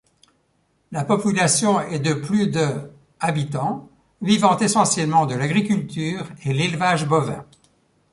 La population est de plus de habitants vivant essentiellement de l'agriculture et l'élevage bovin.